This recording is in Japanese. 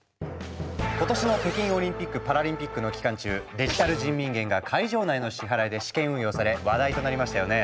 今年の北京オリンピック・パラリンピックの期間中「デジタル人民元」が会場内の支払いで試験運用され話題となりましたよね。